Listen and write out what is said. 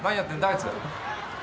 あいつ。